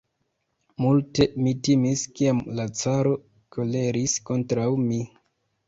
Multe mi timis, kiam la caro koleris kontraŭ mi!